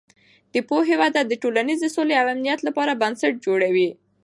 د پوهې وده د ټولنیزې سولې او امنیت لپاره بنسټ جوړوي.